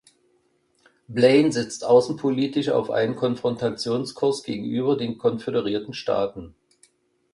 Blaine setzt außenpolitisch auf einen Konfrontationskurs gegenüber den Konföderierten Staaten.